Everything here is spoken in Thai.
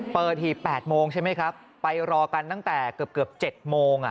หีบ๘โมงใช่ไหมครับไปรอกันตั้งแต่เกือบ๗โมง